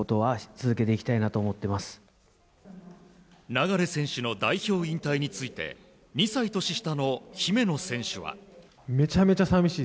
流選手の代表引退について２歳年下の姫野選手は。